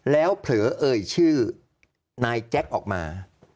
แล้วเผลอเอ่ยชื่อนายแจ็คออกมา